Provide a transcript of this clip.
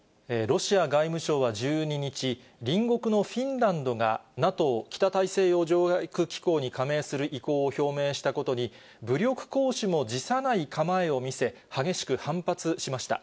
ロシア外務省は１２日、隣国のフィンランドがＮＡＴＯ・北大西洋条約機構に加盟する意向を表明したことに、武力行使も辞さない構えを見せ、激しく反発しました。